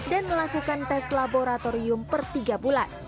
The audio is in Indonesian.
dan melakukan tes laboratorium per tiga bulan